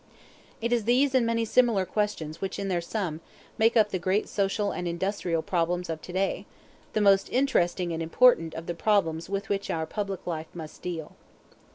It is these and many similar questions which in their sum make up the great social and industrial problems of to day, the most interesting and important of the problems with which our public life must deal.